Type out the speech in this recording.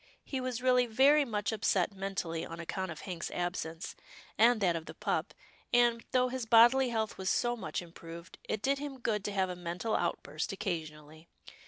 He was really very much upset mentally on account of Hank's absence, and that of the pup, and, though his bodily health was so much improved, it did him good to have a mental outburst occasionally.